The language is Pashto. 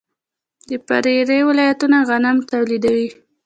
د پریري ولایتونه غنم تولیدوي.